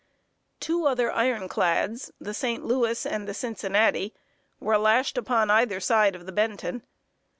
] Two other iron clads, the St. Louis and the Cincinnati, were lashed upon either side of the Benton.